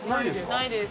ないです。